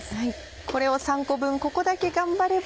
これを３個分ここだけ頑張れば。